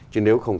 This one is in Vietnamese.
chứ nếu không